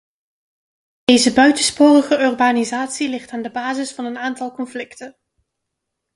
Deze buitensporige urbanisatie ligt aan de basis van een aantal conflicten.